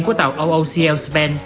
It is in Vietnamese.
của tàu oocl spain